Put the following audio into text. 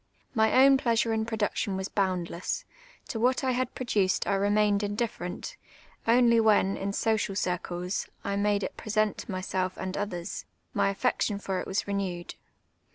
My own ])leasure in production was boundless ; to what I had j)roduced I remained indiffe rent : only when, in social circles, I made it present to myself and others, my affection ft)r it was renewed.